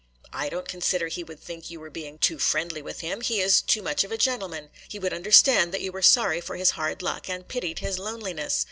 I don't consider he would think you were being too friendly with him. He is too much of a gentleman. He would understand that you were sorry for his hard luck and pitied his loneliness.